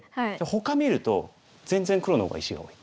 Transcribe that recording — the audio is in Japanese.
ほか見ると全然黒の方が石が多い。